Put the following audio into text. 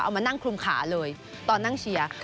มานั่งคลุมขาเลยตอนนั่งเชียร์